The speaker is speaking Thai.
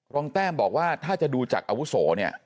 แต้มบอกว่าถ้าจะดูจากอาวุโสเนี่ย